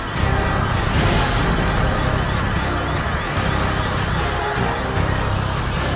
kamu mendapatkan menipu